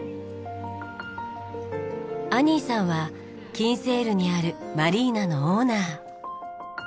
アニーさんはキンセールにあるマリーナのオーナー。